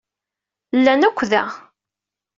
Llan akk da.